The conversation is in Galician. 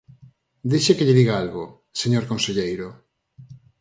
Deixe que lle diga algo, señor conselleiro.